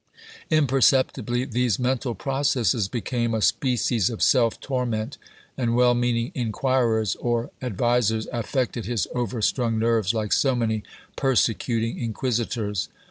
Y Imperceptibly these mental processes became a spe cies of self torment, and well meaning inquirers or advisers affected his overstrung nerves like so many persecuting inquisitors.